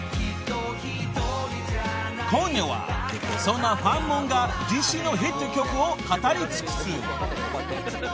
［今夜はそんなファンモンが自身のヒット曲を語り尽くす］